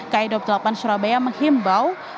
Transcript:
kai dua puluh delapan surabaya menghimbau